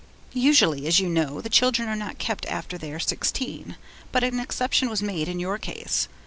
'Usually, as you know, the children are not kept after they are sixteen, but an exception was made in your case.